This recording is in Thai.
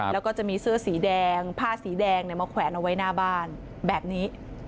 แล้วก็จะมีเสื้อสีแดงผ้าสีแดงมาแขวนเอาไว้หน้าบ้านแบบนี้